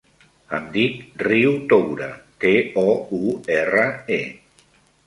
Em dic Riu Toure: te, o, u, erra, e.